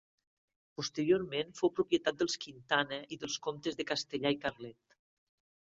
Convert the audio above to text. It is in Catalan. Posteriorment fou propietat dels Quintana i dels comtes de Castellar i Carlet.